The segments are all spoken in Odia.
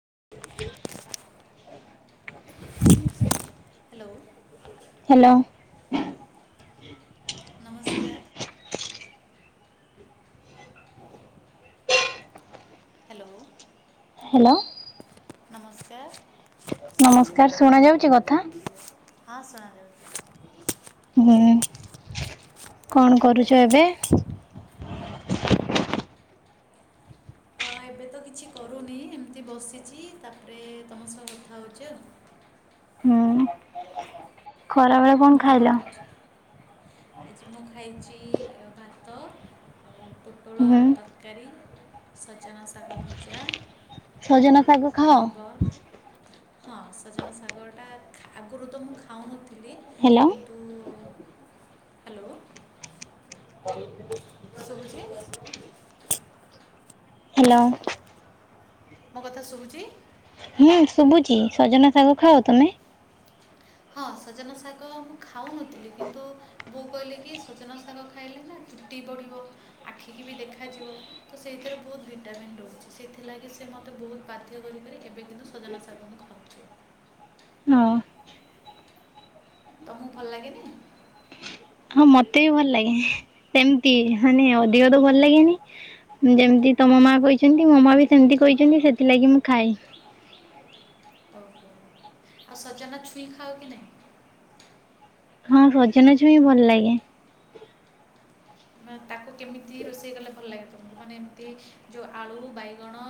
[unintelligible] ହ୍ୟାଲୋ। ହ୍ୟାଲୋ। ନମସ୍କାର। ହ୍ୟାଲୋ। ହ୍ୟାଲୋ। ନମସ୍କାର। ନମସ୍କାର ଶୁଣା ଯାଉଛି କଥା? ହଁ ସୁଣା ଯାଉଛି। ହୁଁ କଣ କେମିତି କରୁଛ ଅଛ ଏବେ? ହଁ ଏବେ ତ କିଛି କରୁନି, ଏମିତି ବସିଛି ତାପରେ ତମ ସହ କଥା ହେଉଛି ଆଉ‌। ହୁଁ। ଖରାବେଳେ ତମେ କଣ ଖାଇଲ? କରୁଛ? ଆଜି ମୁଁ ଖାଇଛି ଅ ଭାତ ଆଉ ପୋଟଳ ହୁଁ ଆଉ ତରକା ତରକାରୀ ସଜନା ଶାଗ ଭଜା। ସଜନା ଶାଗ ଆଉ ଖାଅ? ଆମ୍ୱ। ହଁ ସଜନା ଶାଗଟା ଆଗରୁ ତ ମୁଁ ଖାଉନଥିଲି ହ୍ୟାଲୋ କିନ୍ତୁ ତୁ ହ୍ୟାଲୋ। [unintelligible] ଶୁଭୁଛି? ହ୍ୟାଲୋ। ମୋ କଥା ଶୁଭୁଛି? ହୁଁ ଶୁଭୁଛି ସଜନା ଶାଗ ଖାଅ ତୁମେ? ହଁ ସଜନା ଶାଗ ମୁଁ ଖାଉନଥିଲି କିନ୍ତୁ ବୋଉ କହିଲି କି ସଜନ ଶାଗ ଖାଇଲେ ନା ଚୁଟି ବ଼ଢିବ ଆଖିକି ବି ଦେଖାଯିବ। ତ ସେଇଥିରେ ବହୁତ ଭିଟାମିିନ ରହୁଛି ସେଥିଲାଗି ସେ ମତେ ବହୁତ ବାଧ୍ୟ କରିକ ଏବେ କିନ୍ତୁ ସଜନା ସାଗ ସାଗମନ ଖାଉଛି। ହଁ। ତମକୁ ଭଲ ଲାଗେନି? ହଁ ମତେ ବି ଭଲ ଲାଗେ ସେମିତି ମାନେ ଅଧିକ ତ ଭଲ ଲାଗେନି। ଯେମିତି ତମ ମା କହିଛନ୍ତି ମୋ ମା ବି ସେମିତି କହିଛନ୍ତି ସେଥିଲାଗି ମୁଁ ଖାଏ ଓହୋ ଆଉ ସଜନା ଛୁଇଁ ଖାଅ କି ନାହିଁ? ହଁ ସଜନା ଛୁଇଁ ଭଲ ଲାଗେ? ମ ତାକୁ କେମିତି ରୋଷେଇ କଲେ ଭଲ ଲାଗେ ତମଙ୍କୁ, ମାନେ ଏମିତି ଯେଉଁ ଆଳୁ ବାଇଗଣ।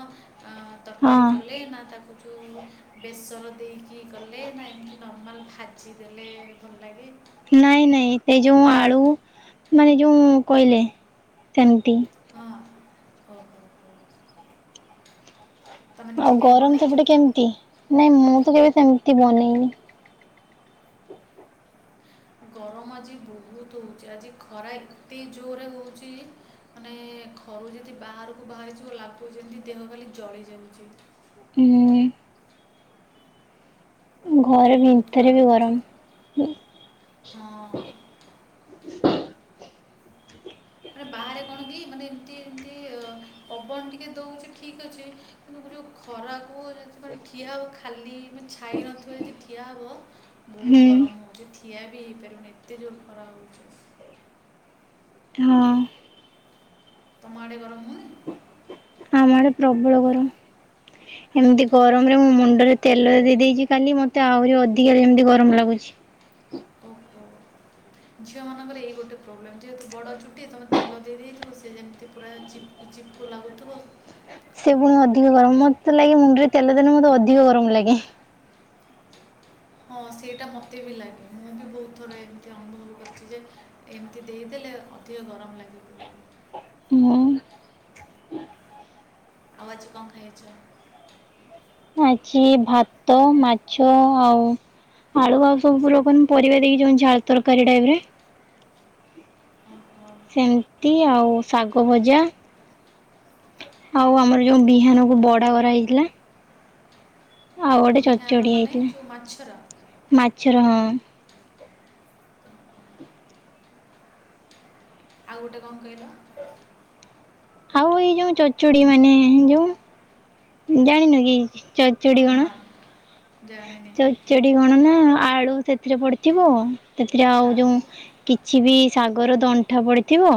ତରକାରୀ ହଁ। କଲେ, ନା ତାକୁ ଯେଉଁ ବେସର ଦେଇକି କି କଲେ ନା ଏମିତି ନର୍ମାଲ୍ ଭାଜି ଦେେଲେ ଭଲ ଲାଗେ? ନାଇଁ ନାଇଁ ସେ ଯୋଉ ଆଳୁ ମାନେ ଯୋଉ କହିଲେ ସେମିତି। ହଁ ହଉ ହଉ। ଆଉ ଗରମ ବନେଇଛ ସେପଟେ କେମିତି ନାଇଁ, ମୁଁ ତ କେବେ ସେମିତି ବନେଇନି। ଗରମ ଆଜି ବହୁତ ହଉଛି ଆଜି ଖରା ଏତେ ଜୋରରେ ହଉଛି। ମାନେ ଘରୁ ଯଦି ବାହାରକୁ ବାହାରିଯିବୁ ଲାଗୁଛି ଯେମତି ଦେହ ଖାଲି ଜଳି ଯାଉଛି। ହୁଁ। ଆଜି ଘରେ ବହୁତ ଭିତରେ ବି ଖରାପ ଗରମ। ହେଉଛି, ହଁ। ମାନେ ବାହାରେ କଣ କି ମାନେ ଏମତି ଏମିତି ଅ ପବନ ଟିକେ ଦଉଛି ଠିକ ଅଛି ତେଣୁ ଯେଉଁ ଖରାକୁ ଯଦି ମାନେ ଠିଆ ହେବ, ଖାଲି ମାନେ ଛାଇ ନଥିବ ଯଦି ଠିଆ ହେବ ହୁଁ। ବହୁତ ଗରମ ହେଉଛି ଥିିଆ ବି ହେଇପାରିବନି ଏତେ ଜୋର ଖରା ହେଉଛି। ହଁ ତମା ଆଡ଼େ ଗରମ ହଉନି? ଆମ ଆଡେ ପ୍ରବଳ ଗରମ। ଏମିତି ଗରମ ରେ ମୁଁ ମୁଣ୍ଡରେ ତେଲ ଦେଇ ଦେଇଛି ଖାଲି ମତେ ଆହୁରି ଅଧିକା ଯେମିତି ଗରମ ଲାଗୁଛି। ଓ ଝିଅ ମାନଙ୍କରେ ଏଇ ଗୋଟେ ପ୍ରୋବ୍ଲେମ୍। ଯେହେତୁ ବଡ଼ ଚୁଟି ତମେ ତେଲ ଦେଇଥିବ ସେ ଯେମିତି ପୁରା ଚିପ ଚିପ୍କୁ ଲାଗୁଥିବ। ସେ ପୁଣି ଅଧିକ ଗରମ ମତେ ଲାଗେ ମୁଣ୍ଡରେ ତେଲ ଦେଲେ ମୋତେ ଅଧିକ ଗରମ ଲାଗେ। ହଁ ସେଇଟା ମତେ ବି ଲାଗେ ମୁଁ ବି ବହୁତ ଥର ଏମିତି ଅନୁଭବ କରିଛି ଯେ ଏମିତି ଦେଇଦେଲେ ଅଧିକ ଗରମ ଲାଗି ପଡ ମୁଁ ଆଉ ଆଜି କଣ ଖାଇଛ? ଆଜି ଭାତ, ମାଛ ଆଉ ଆଳୁ ଆଉ ସବୁ ଲୋକାନ ପରିବା ଦେଇକି ଯାଉ ଝାଳ ତରକାରୀ ଟାଇପ ରେ ହଁ ହ। ସେମିତି ଆଉ ଶାଗ ଭଜା। ଆଉ ଆମର ଯୋଉ ବିହାନ କୁ ବଡା କରାହଇଥିଲା। ଆଉ ଗୋଟେ ବିହାନ ଛଚଡି ମାନେ ଯେଉଁ ମାଛର ହେଇଥିଲା ମାଛର ହଁ। ଆଉ ଗୋଟେ କଣ କହିଲ? ଆଉ ଏଇ ଯୋଉ ଛଚଡ଼ି ମାନେ ଯୋଉ ଜାଣିନୁ କି? ଚଉଚୁଡ଼ି ନା କଣ? ଜାଣିନି ଚ ଚେଡି କଣ ନା ଆଳୁ ସେଥିରେ ପଡିଥିବ। ସେଥିରେ ଆଉ ହଁ ଯୋଉ କିଛି ବି ଶାଗର ଦଣ୍ଟା ପଡ଼ିଥିବ।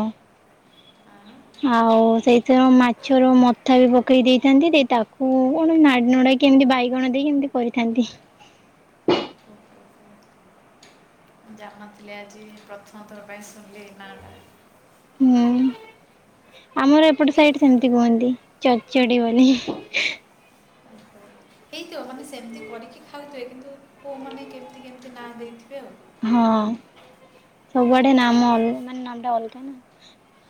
ହଁ ଆଉ ସେଇଥିରେ ମାଛର ମଥା ବି ପକେଇ ଦେଇଥାନ୍ତି ଦେଇ ତାକୁ କଣ ନାଡି ନଡା କେମିତି ବାଇଗଣ ଦେଇ କେମିତି କରିଥାନ୍ତି। ମୁଁ ଜାଣଥିଲି ଆଜି ପ୍ରଥମ ଥର ପାଇଁ ଶୁଣିଲି ଏୟୀ ନାଁଟା। ହୁଁ ଆମର ଏପଟେ ଏଇ ସାଇଟ ସେମିତି କୁହନ୍ତି। ଛଚଡ଼ି ବୋଲି। [inaudible] ହେଇଥିବ ମାନେ ସେମିତି କରିକି ଖାଉଥିବେ, କିନ୍ତୁ କେଉଁମାନେ କେମିତି କେମିତି ନାଁ ଦେଇଥିବେ ଆଉ। ହଁ ସବୁଆଡେ ନାମ, ମାନେ ନାମ ଟା ଅଲଗା ନା।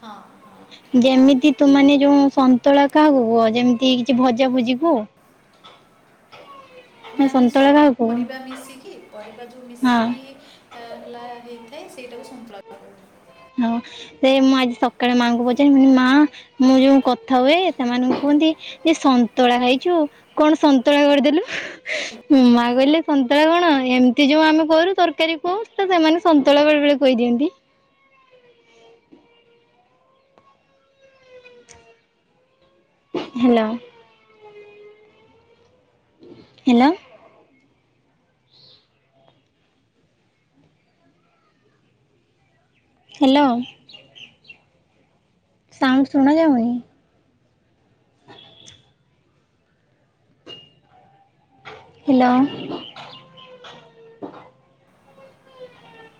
ହଁ ହଁ ଯେମିତି ତୁମାନେେ ଯୋଉ ସନ୍ତୁଳା କାହାକୁ କୁହ ଯେମିତି କିଛି ଭଜା ଭୁଜି କୁ। ହ ମାନେ ସବୁ ପରିବା ମିଶିକି ପରିବା ଯୋଉ ହଁ ମିଶିକି ହେଲା ହେଇଥାଏ ସେଇଟାକୁ ସନ୍ତୁଳା କହନ୍ତି ହଁ ସେ ମୁଁ ଆଜି ସକାଳେ ମାଙ୍କୁ ପଚାରି ମା ମୁଁ ଯୋଉ କଥା ହୁଏ ସେମାନଙ୍କୁ କୁହନ୍ତି ଯେ ସନ୍ତୁଳା ଖାଇଛୁ। କଣ ସନ୍ତୁଳା କରିଦେଲୁ। ହୁ ମା କହିଲେ ସନ୍ତୁଳା କଣ ଏମିତି ଯୋଉ ଆମେ କରୁ ତରକାରୀ କହୁ ତ ସେମାନେ ସନ୍ତୁଳା ବେଳେ ବେଳେ କହିଦିଅନ୍ତି। ହ୍ୟାଲୋ ହ୍ୟାଲୋ ହ୍ୟାଲୋ ସାଉଣ୍ଟ ଶୁଣା ଯାଉନି। ଆ ହ୍ୟାଲୋ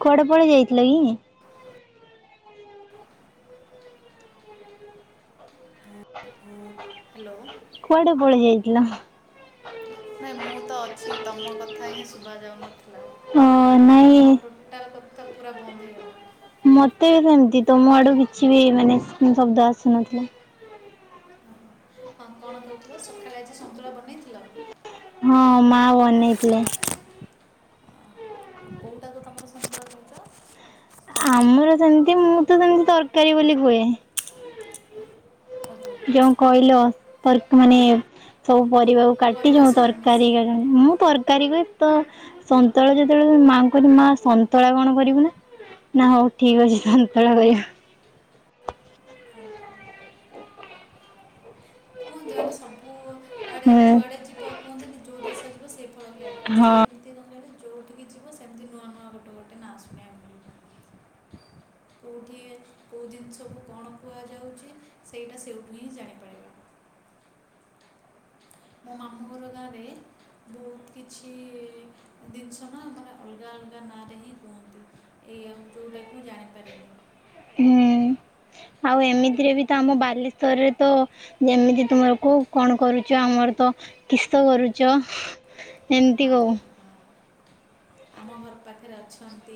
କୁଆଡେ ପଳେଇ ଯାଇଥିଲ କି। ହ ହ୍ୟାଲୋ। କୁଆଡେ ପଳେଇ ଯାଇଥିଲ। ନାଇଁ ମୁଁ ତ ଅଛି ତମ କଥା ହିଁ ଶୁଭା ଯାଉନଥିଲା ଅ ନାଇଁ ତମ ହଠାତ୍ କଥା ପୁରା ବନ୍ଦ ହେଇଗଲା। ମତେ ବି ସେମିତି ତ ମ ଆଡୁ କିଛି ବି ମାନେ ଶବ୍ଦ ଆସୁନଥିଲା। ଓହୋ। ହଁ କଣ କହୁଥିଲ ସକାଳେ ଆଜି ସନ୍ତୁଳା ବନେଇଥିଲ। ହଁ ମାଆ ବନେଇଥିଲେ। କେଉଟା କୁ ତୁମର ସନ୍ତୁଳା କହୁଛ। ଆମର ସେମତି ମୁଁ ତ ସେମିତି ତରକାରୀ ବୋଲି କୁହେ। ଓହୋ ଯୋଉ କହିଲ ତର ମାନେ ସବୁ ପରିବାକୁ କାଟି ପରିବା ଯଉ ସବୁ ତରକାରୀ ମିଶିକି କର। ମୁଁ ତରକାରୀ କହେ ତ ସନ୍ତୁଳା ଯେତେବେଳେ ମାଆ କହିଲି ମା ସନ୍ତୁଳା କଣ କରିବୁ ନା। ନା ହଉ ଠିକ ଅଛି ସନ୍ତଳା କରିବା। ଓହୋ। କୁହନ୍ତି ମାନେ ସବୁଆଡ଼େ ହୁଁ ଯୁଆଡ଼େ ଯିବ କୁହନ୍ତିନି ଯେଉଁ ଦେଶ ଯିବ ସେଇ ଫଳ ଖାଇବ ତ ସେ ହଁ ଏମିତି ନୁହେ ଯଉଠିକି ଯିବ ସେମିତି ନୂଆ ନୂଆ ଗୋଟେ ଗୋଟେ ନା ଶୁଣିବା କୁ କେଉଁଠି କୋଉ ଜିନିଷକୁ କଣ କୁହାଯାଉଛି ସେଇଟା ସେଇଠୁ ହିଁ ଜାଣିପାରିବା। ମୋ ମାମୁଁ ଘର ଗାଁ ରେ। ବହୁତ କିଛି ଜିନିଷ ନା ମାନେ ଅଲଗା ଅଲଗା ନାଁରେ ହିଁ କୁହନ୍ତି। ଏଇ ଅନ୍ତୋଟାକୁ ମୁଁ ଜାଣିପାରେନି। ହୁଁ ଆଉ ଏମିତିରେ ବି ତ ଆମ ବାଲେଶ୍ୱରରେ ତ ଯେମିତି ତୁମରକୁ କଣ କରୁଛ ଆମର ତ କିସ କରୁଛ। ହଁ ଏମିତି କହୁ। ହଁ ଆମ ଘର ପାଖରେ ଅଛନ୍ତି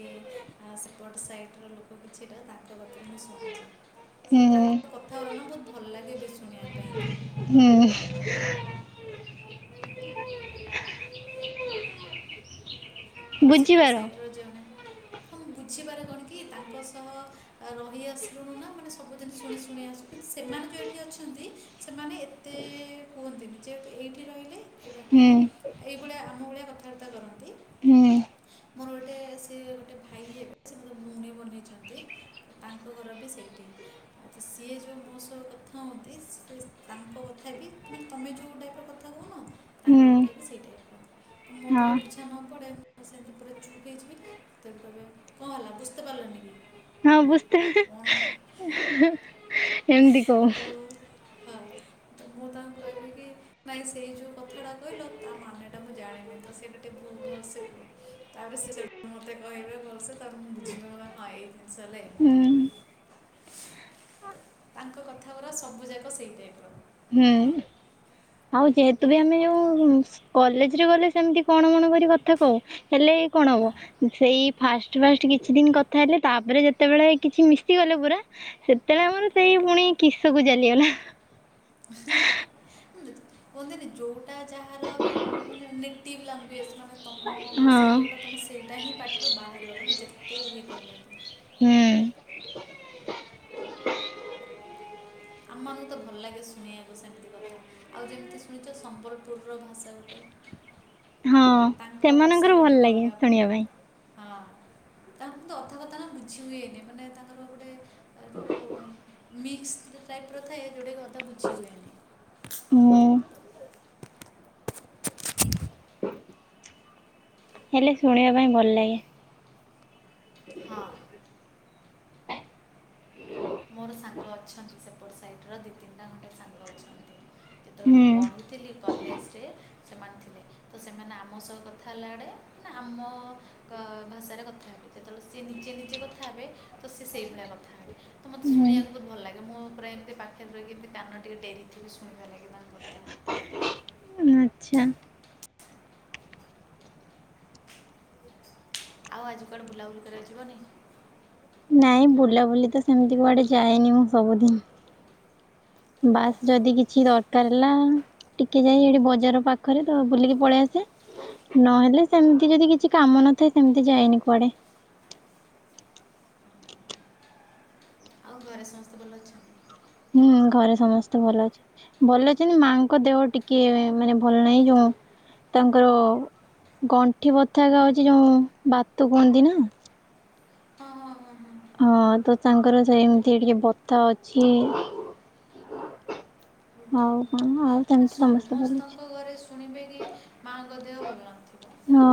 ସେପଟ ସାଇଟର ଲୋକ କିଛିଟା ତାଙ୍କ ମୁଁ ଶୁଣିଛି ହୁଁ ତାଙ୍କ କଥାଗୁରା ନାଆ ବହୁତ ଭଲ ଲାଗେ ବେ ଶୁଣିବାକୁ। ହୁଁ ଓ ଆଉ ସେପଟ ସାଇଟ୍ ର ଜଣେ ହଁ ମୁଁ ବୁଝିପାରେ କଣ କି ତାଙ୍କ ସହ ରହିଆସିଲୁଣିନା ମାନେ ସବୁଦିନ ଶୁଣି ଶୁଣି ଆସୁ ସେମାନେ ଏଠି ଅଛନ୍ତି। ସେମାନେ ଏତେ କୁହନ୍ତିନି ଯେହେତୁ ଏଇଠି ରହିଲେ ଏବେ ହୁଁ ମାନେ ଏଇ ଭଳିଆ ଆମ ଭଳିଆ କଥାବାର୍ତ୍ତା କରନ୍ତି। ହୁଁ। ମୋର ଗୋଟେ ସେ ଗୋଟେ ଭାଇ ହେବେ ସେ ଭଉଣୀ ବନେଇଛନ୍ତି। ତାଙ୍କ ଘର ବି ସେଇଠି!। ଆଛା ସିଏ ଯେଉଁ ମୋ ସହ କଥା ହୁଅନ୍ତି ସେ ତାଙ୍କ କଥା ବି ମାନେ ତମେ ଯେଉଁ ଟାଇପ୍ ର କଥା କହୁନ ହ [inaudible] ତାଙ୍କ କଥା ବି ସେଇ ଟାଇପ୍ ର ମତେ ହଁ ଯୋଉଟା ବୁଝା ନ ପଡ଼େ ମୁଁ ସେମିତି ପୁରା ଚୁପ୍ ହେଇଯିବି ତେବେ କହିବେ କଣ ହେଲା ବୁଝିତ ପାରିଲନି! ତା ଅବସ୍ଥା କ'ଣ ମୁଁ ହଁ। ମୁଁ ତାଙ୍କୁ କହିବି କି ନାଇଁ ସେଇ ଯୋଉ କଥାଟା କହିଲ ତା ମାନେ ଟା ମୁଁ ଜାଣିନି ତ ସେଇଟା ଶୁବୁନି ଭଲସେ କୁହ। ତାପରେ ସେ ସେଇଠୁ ମତେ କହିବେ ଭଲସେ ତାପରେ ମୁଁ ବୁଝିବା ଭଳିଆ ଏଇ ଜିନିଷ ହେଲେ ହୁଁ ଏମିତି। ତାଙ୍କ କଥା ଗୁରା ସବୁଯାକ ସେଇ ଟାଇପ୍ ର। ହୁଁ। ଆଉ ଯେହେତୁ ବି ଆମେ ଯୋଉ କଲେଜରେ ଗଲେ ସେମିତି କଣ କଣ କରି ଭାତ ଖାଉ। ହେଲେ କଣ ହବ ସେଇ ଫାଷ୍ଟ ଫାଷ୍ଟ କିଛି ଦିନ କଥା ହେଲେ ତାପରେ ଯେତେବେଳେ କିଛି ମିଶିଗଲେ ପୁରା ସେତେବେଳେ ଆମର ସେଇ ଫୁଣି କିସ୍ କୁ ଚାଲିଗଲା। କୁହନ୍ତିନି ଯୋଉଟା ଯାହାର କି ମୁଁ ଜାଣିନି ଟିନ୍ ଲାଙ୍ଗୁଏଜ୍ଜ୍ ମାନେ ତୁମ ଭାଷା ହଁ। ଯେଉଁଟା ତୁମେ ସେଇଟା ହିଁ ପାଟିରୁ ବାହାରିବ ତୁମେ ଯେତେ ଇଏ କଲେ ବି। ହୁଁ। ଆମ ମାନକୁ ତ ଭଲ ଲାଗେ ଶୁଣିବାକୁ ସେମିତି କଥା। ଆଉ ଯେମିତି ଶୁଣିଛ ସମ୍ବଲପୁରର ଭାଷା ଗୋଟେ। ହଁ, ତାଙ୍କ ଭାଷା ସେମାନଙ୍କର ବି ଭଲ ଟିକେ ଲାଗେ ଶୁଣିବା ପାଇଁ। ହଁ। ତାଙ୍କର ତ ଅଧା କଥା ତ ବୁଝି ହୁଏନି ମାନେ ତାଙ୍କର ଗୋଟେ ଯୋଉଁ ମିକ୍ସ ଟାଇପ୍ ର ଥାଏ ଯେଉଁଟାକି ଅଧା ବୁଝି ହୁଏନି। ହୁଁ। ହେଲେ ଶୁଣିବା ପାଇଁ ଭଲ ଲାଗେ। ହଁ। ମୋର ସାଙ୍ଗ ଅଛନ୍ତି ସେପଟ ସାଇଟର ଦିଇ ତିନିଟା ଖଣ୍ଟେ ସାଙ୍ଗ ଅଛନ୍ତି। ଯେତେବେଳେ ହୁଁ ମୁଁ ପଢ଼ୁଥିଲି କଲେଜରେ ସେମାନେ ଥିଲେ। ତ ସେମାନେ ଆମ ସହ କଥା ହେଲା ବେଳେ ନା ଆମ ଭାଷାରେ କଥା ହେବେ। ଯେତେବେଳେ ସିଏ ନିଜେ ନିଜେ କଥା ହେବେ ତ ସିଏ ସେଇଭଳିଆ କଥା ହେବେ। ତ ମୋତେ ହୁଁ ଶୁଣିବାକୁ ବହୁତ ଭଲ ଲାଗେ ମୁଁ ପୁରା ଏମିତି ପାଖରେ ରହିକି ଏମିତି କାନ ଟିକେ ଡେରିକି ଶୁଣିବା ଲାଗି ତାଙ୍କ କଥା। ଆଚ୍ଛା। ଆଉ ଆଜି କୁଆଡେ ବୁଲାବୁଲି କରିବାକୁ ଯିବନି? ନାଇଁ ବୁଲାବୁଲି ତ ସେମିତି କୁଆଡେ ଯାଏନି ମୁଁ ସବୁଦିନି। ବାସ୍ ଓହୋ ଯଦି କିଛି ଦର କାରଲା ଟିକେ ଯାଇ ସେଠି ବଜାର ପାଖରେ ତ ବୁଲିକି ପଳେଇ ଆସେ। ନହେଲେ ସେମିତି ଯଦି କିଛି କାମ ନଥାଏ ସେମିତି ଯାଏନି କୁଆଡେ। ଆଉ ଘରେ ସମସ୍ତେ ଭଲ ଅଛନ୍ତି? ହୁଁ, ଘରେ ସମସ୍ତେ ଭଲ ଅଛନ୍ତି। ଭଲ ଅଛି ମାଙ୍କ ଦେହ ଟିକେ ମାନେ ଭଲ ନାହିଁ ତ ତାଙ୍କ ଗଣ୍ଠି ବଥା ବାହାଚି ଯୋଉ ବାତ କୁହନ୍ତି ନା। ହଁ ହଁ ହଁ। ହଁ, ତ ତାଙ୍କର ସେମିତି ଟିକେ ବଥା ଅଛି! ହଁ ଆଉ ହଁ କଣ ଆଉ ମାନେ ସେମିତି ସମସ୍ତେ ଭଲ ଅଛି। ସମସ୍ତଙ୍କ ଘରେ ଶୁଣିବେ କି ମାଆଙ୍କ ଦେହ ଭଲ ନଥିବ। ହଁ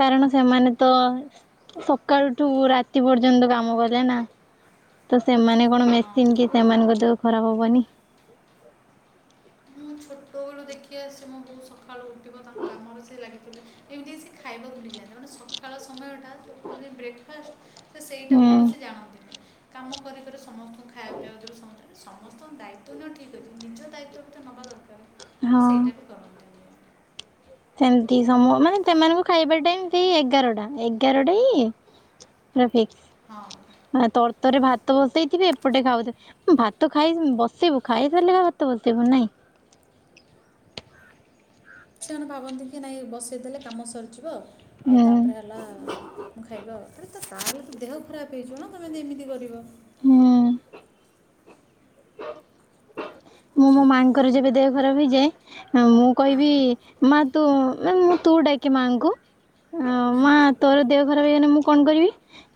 କାରଣ ସେମାନେ ତ ତ ସକାଳୁଠୁ ରାତି ପର୍ଯ୍ୟନ୍ତ କାମ କରେ ନା। ତ ସେମାନେ କଣ ହଁ ମେସିନ୍ କି ସେମାନଙ୍କ ଦେହ ଖରାପ୍ ହବନି। ମୁଁ ଛୋଟବେଳୁ ଦେଖି ଆସୁଛି ମୋ ବୋଉ ସକାଳୁ ଉଠିବ ତାଙ୍କ କାମରେ ଏମିତି କି ସେ ଖାଇବା ଭୁଲିଯାଆନ୍ତି ମାନେ ସଖାଳ ସମୟଟା କୁନ୍ତି ବ୍ରେକ୍ଫାଷ୍ଟେ ସେଇଟା ହୁଁ କୌଣସି ଜାଣନ୍ତିନି କାମ କରିକରି ସମସ୍ତଙ୍କୁ ଖାଇବା ପିବାକୁ ଦେିବ ସମସ୍ତେ ସମସ୍ତଙ୍କ ଦାୟିତ୍ୱ ନିଅ ଠିକ୍ ଅଛି ନିଜ ଦାୟିତ୍ୱ ତ ନବା ଦରକାର ତ ହଁ। ସେଇଟା କୁ କରନ୍ତି। ଏମତି ସମରେ ସିମାନେ ମାନେ ସେମାନଙ୍କୁ ଖାଇବା ଟାଇମ ସେଇ ଏଗାରଟା ଏଗାରଟା ଯେ ଟ୍ରାଫିକ୍। ହଁ। ଆ ତରତରେ ଭାତ ବସେଇଥିବେ ଏପଟେ ଖାଉଥିବେ। ଭାତ ଖାଇ ବସିବୁ ଖାଇସାରିଲେ ଭାତ ବସିବୁ ନାଇଁ ସେମାନେ ଭାବନ୍ତି କି ନାଇଁ ବସେଇ ଦେଲେ କାମ ସରିଯିବ ଆଉ ହୁଁ ତାପରେ ହେଲା ମୁଁ ଖାଇବା ଆ ଆରେ ତ ତାହେଲେ ତ ଦେହ ଖରାପେ ହେଇଯିବ ନା ତମେ ଏମିତି କରିବ। ହୁଁ। ମୁଁ ମୋ ମାଆ ଙ୍କର ଯେବେ ଦେହ ଖରାପେ ହେଇଯାଏ ମୁଁ ହଁ କହିବି ମା ତୁ ମୁଁ ତୁ ଡାକେ ମାଆଁଙ୍କୁ। ଓ ମାଁ ତୋର ଦେହ ଖରାପେ ହେଇଗଲନେ ମୁଁ କଣ କରିବି।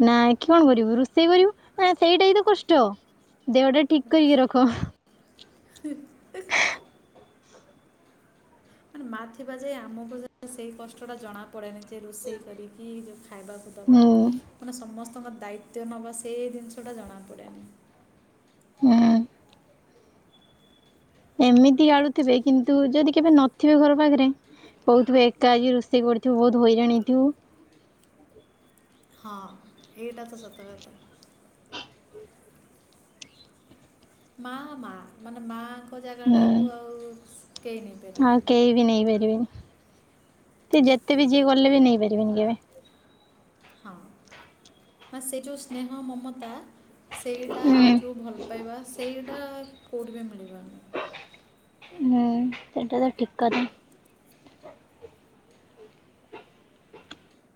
ନାଇ କି ଅଣ କରିବୁ ରୋଷେଇ କରିବୁ ସେଇଟା ହି ତ କଷ୍ଟ। ଦେହଟା ଠିକ୍ କରିକି ରଖ। ମାନେ ମା ଥିବା ଯାଏ ଆମକୁ ଯ ସେଇ କଷ୍ଟ ଟା ଜଣା ପଡେନି ଯେ ରୋଷେଇ କରିକି ଯୋଉ ଖାଇବା କୁ ଦବା ହୁଁ ମାନେ ସମସ୍ତଙ୍କ ଦାୟୀ ତ୍ୟ ନବା ସେଇ ଜିନିଷ ଟା ଜଣା ପଡ଼େ ନି। ହୁଁ। ଏମିତି ଗାଳୁଥିବେ କିନ୍ତୁ ଯଦି କେବେ ନଥିବେ ଘର ପାଖରେ କୋହୁଥୁବେ ଏକା ଆଜି ରୋଷେଇ କରିଥିବୁ ବୋହୁତ ହଇରାଣହେଇଥିବୁ। ହଁ ଏଇଟା ତ ସତକଥା। ମା ମା ମାନେ ମାଙ୍କ ଜାଗା ଟାକୁ ହୁଁ ଆଉ କେହି ଆଉ ନେଇପାରିବେନି। କେହି ବି ନେଇପାରିବେନି ସେଏ ଯେତେ ବି ଯିଏ କଲେ ବି ନେଇପାରିବେନି କେବେ। ହଁ ବା ସେ ଯୋଉ ସ୍ନେହ ମମତା ସେଇଟା ଆଉ ଯୋଉ ହୁଁ ଭଲ ପାଇବା ସେଇଟା କୋଇଟି ବି ମିଳିବନି। ହୁଁ ସେଇଟା ତ ଠିକ୍ କଥା।